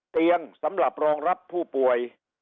เตียงสำหรับรองรับผู้ป่วย